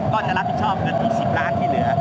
ก็จะรับผิดชอบเงินอีก๑๐ล้านที่เหลือ